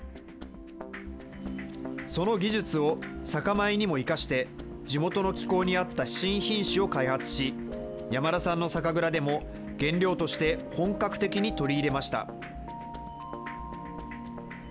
その技術を酒米にも生かして、地元の気候に合った新品種を開発し、山田さんの酒蔵でも原料として本格的に取り入れました。